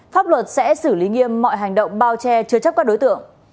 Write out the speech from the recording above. pháp luật sẽ xử lý nghiêm mọi hành động bao che chứa chấp các đối tượng